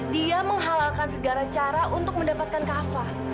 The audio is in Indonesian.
dia menghalalkan segala cara untuk mendapatkan kafah